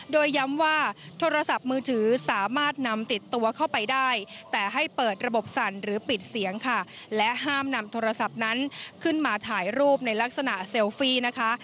โดยย้ำว่าโทรศัพท์มือถือสามารถนำติดตัวเข้าไปได้แต่ให้เปิดระบบสั่นหรือปิดเสียงค่ะและห้ามนำโทรศัพท์นั้นขึ้นมาถ่ายรูปในลักษณะเซลฟี่นะคะ